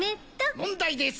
問題です。